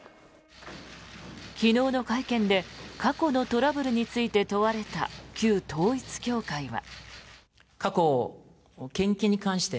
昨日の会見で過去のトラブルについて問われた旧統一教会は。